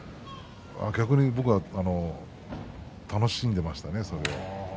逆に僕は楽しんでいましたね、それを。